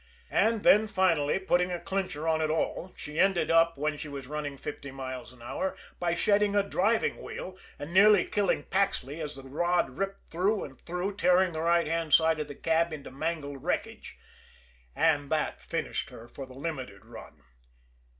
And then, finally, putting a clincher on it all, she ended up, when she was running fifty miles an hour, by shedding a driving wheel, and nearly killing Paxley as the rod ripped through and through, tearing the right hand side of the cab into mangled wreckage and that finished her for the Limited run.